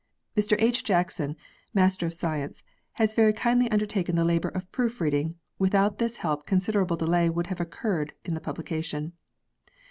Mr H. Jackson, M.Sc., has very kindly undertaken the labour of proof reading ; without this help con siderable delay would have occurred in the publication.